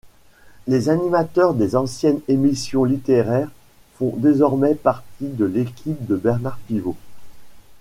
Les animateurs des anciennes émissions littéraires font désormais partie de l'équipe de Bernard Pivot.